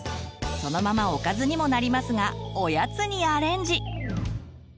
そのままおかずにもなりますがおやつにアレンジ！